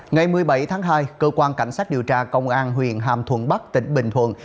ngày một mươi bảy tháng hai cơ quan cảnh sát điều tra công an huyện hàm thuận bắc tỉnh bình thuận